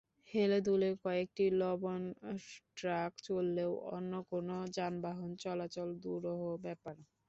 হেলেদুলে কয়েকটি লবণ ট্রাক চললেও অন্য কোনো যানবাহন চলাচল দুরূহ ব্যাপার।